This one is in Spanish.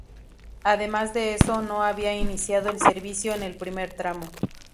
Además de eso, no había iniciado el servicio en el primer tramo.